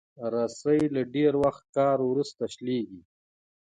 رسۍ له ډېر وخت کار وروسته شلېږي.